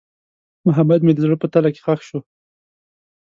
محبت مې د زړه په تله کې ښخ شو.